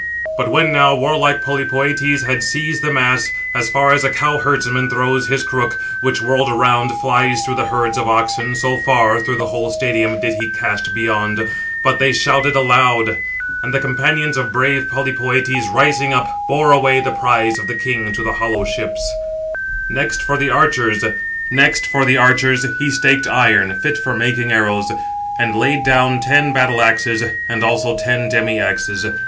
But when now warlike Polypœtes had seized the mass, as far as a cow herdsman throws his crook, which, whirled around, flies through the herds of oxen, so far, through the whole stadium, did he cast beyond; but they shouted aloud; and the companions of brave Polypœtes, rising up, bore away the prize of the king to the hollow ships. Next, for the archers, he staked iron fit for making arrows, 772 and laid down ten battle axes, and also ten demi axes.